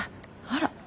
あら。